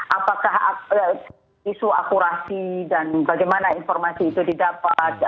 apakah isu akurasi dan bagaimana informasi itu didapat